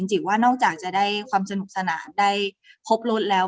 จริงว่านอกจากจะได้ความสนุกสนานได้พบรถแล้ว